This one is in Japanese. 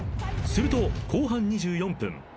［すると後半２４分］